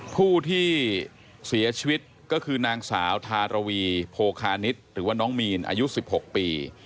ผู้ที่เสียชีวิตก็คือนางสาวทารวีโพคานิตหรือว่าน้องมีนอายุ๑๖ปี